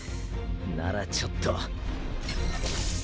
ならちょっと。